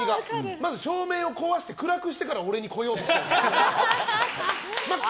まず照明を壊して暗くしてから俺のところに来ようとして。